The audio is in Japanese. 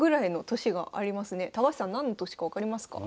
高橋さん何の年か分かりますか？